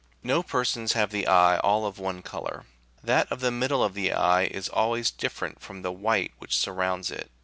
No persons have the eye all of one colour; that of the middle of the eye is always different from the white which surrounds it.